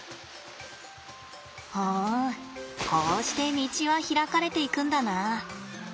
ふんこうして道は開かれていくんだな。